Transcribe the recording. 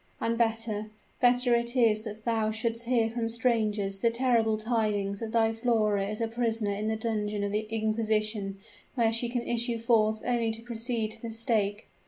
And better better it is that thou shouldst hear from strangers the terrible tidings that thy Flora is a prisoner in the dungeon of the inquisition, where she can issue forth only to proceed to the stake!